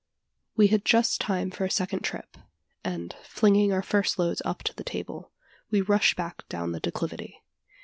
We had just time for a second trip; and, flinging our first loads up to the table, we rushed back down the declivity.